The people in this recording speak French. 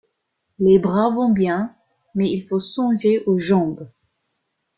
Les bras vont bien, mais il faut songer aux jambes.